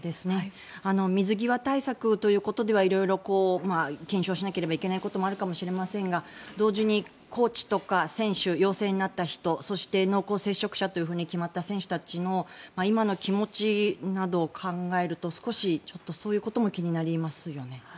水際対策ということでは色々検証しなければいけないこともあるかもしれませんが同時にコーチとか選手陽性になった人そして、濃厚接触者というふうに決まった選手たちの今の気持ちなどを考えると少しそういうことも気になりますよね。